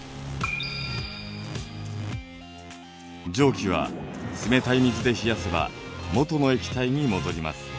蒸気は冷たい水で冷やせば元の液体に戻ります。